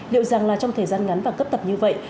liệu rằng là trong thời gian ngắn và cấp tập như vậy